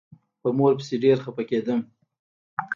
په مور پسې ډېر خپه کېدم.